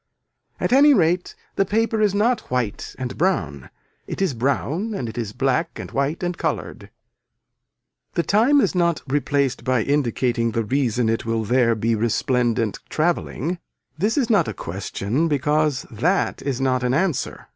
At any rate the paper is not white and brown, it is brown and it is black and white and colored. The time is not replaced by indicating the reason it will there be resplendent travelling. This is not a question because that is not an answer.